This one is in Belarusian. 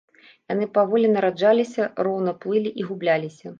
Яны паволі нараджаліся, роўна плылі і губляліся.